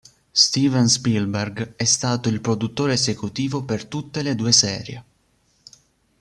Steven Spielberg è stato il produttore esecutivo per tutte le due serie.